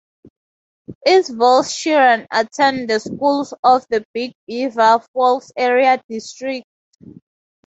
Eastvale's children attend the schools of the Big Beaver Falls Area School District.